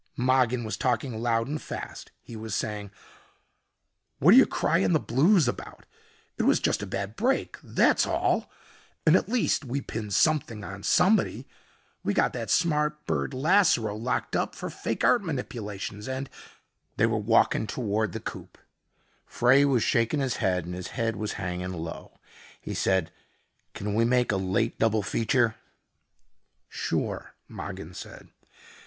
Mogin was talking loud and fast. He was saying, "What're you crying the blues about? It was just a bad break, that's all. And at least we pinned something on somebody. We got that smart bird Lasseroe locked up for fake art manipulations, and " They were walking toward the coupe. Frey was shaking his head and his head was hanging low. He said, "Can we make a late double feature?" "Sure," Mogin said.